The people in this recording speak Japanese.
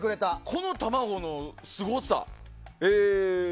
この卵のすごさ。